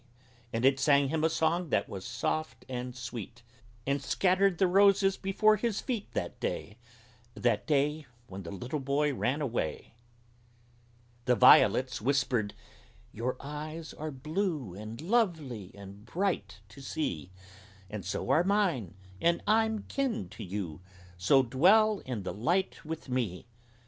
And it sang him a song that was soft and sweet, And scattered the roses before his feet That day that day When the little boy ran away. The Violets whispered: "Your eyes are blue And lovely and bright to see; And so are mine, and I'm kin to you, So dwell in the light with me!"